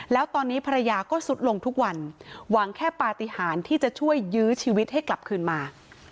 แล้วตอนนี้ภรรยาก็สุดลงทุกวันหวังแค่ปฏิหารที่จะช่วยยื้อชีวิตให้กลับคืนมา